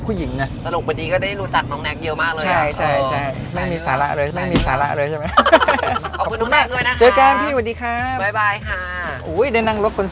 โปรดติดตามตอนต่อไป